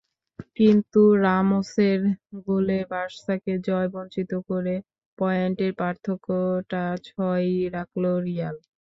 কিন্তু রামোসের গোলে বার্সাকে জয়-বঞ্চিত করে পয়েন্টের পার্থক্যটা ছয়ই রাখল রিয়াল।